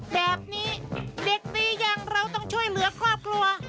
แบบนี้เด็กดีอย่างเราต้องช่วยเหลือครอบครัว